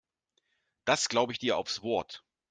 Das glaube ich dir aufs Wort.